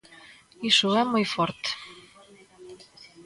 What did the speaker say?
Iso é moi forte.